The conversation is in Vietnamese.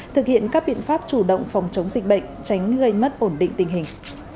thực hiện các biện pháp chủ động phòng chống dịch bệnh tránh gây mất ổn định tình hình